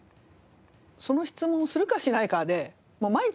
その質問をするかしないかでもう毎日毎日。